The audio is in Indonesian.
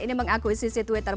ini mengakui sisi twitter